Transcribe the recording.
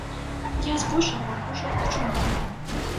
Я збольшага ўжо ачуняў.